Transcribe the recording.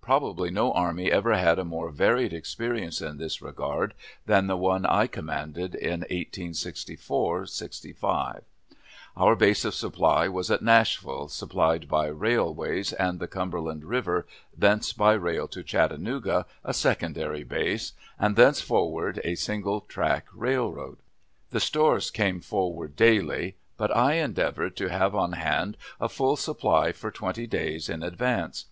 Probably no army ever had a more varied experience in this regard than the one I commanded in 1864'65. Our base of supply was at Nashville, supplied by railways and the Cumberland River, thence by rail to Chattanooga, a "secondary base," and thence forward a single track railroad. The stores came forward daily, but I endeavored to have on hand a full supply for twenty days in advance.